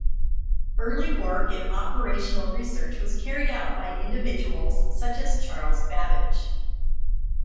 Early work in operational research was carried out by individuals such as Charles Babbage.